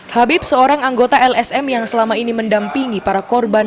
habib seorang anggota lsm yang selama ini mendampingi para korban